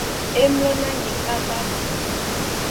E mlonanyi kaba go.